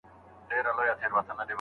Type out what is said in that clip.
هله شي ختم، په اشاره انتظار